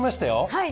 はい。